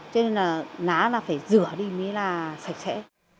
cho nên là ná là phải rửa đi mới là sạch sẽ